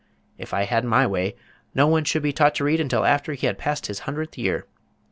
If I had my way no one should be taught to read until after he had passed his hundredth year.